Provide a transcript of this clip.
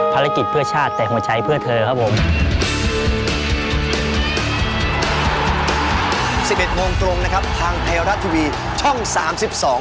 ภารกิจเพื่อชาติแต่หัวใจเพื่อเธอครับผม